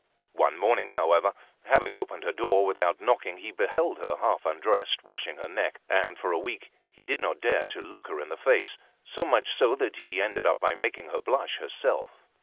One morning, however, having opened her door without knocking, he beheld her half undressed, washing her neck; and, for a week, he did not dare to look her in the face, so much so that he ended by making her blush herself.